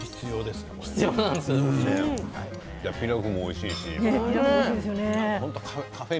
ピラフもおいしいし。